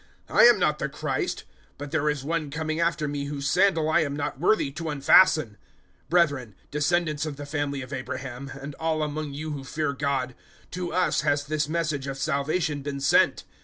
I am not the Christ. But there is One coming after me whose sandal I am not worthy to unfasten.' 013:026 "Brethren, descendants of the family of Abraham, and all among you who fear God, to us has this Message of salvation been sent.